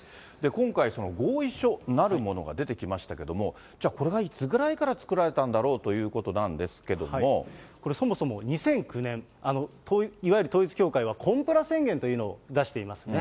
今回、合意書なるものが出てきましたけれども、じゃあ、これがいつぐらいから作られたんだろうということなんですけれどこれ、そもそも２００９年、いわゆる統一教会はコンプラ宣言というのを出していますよね。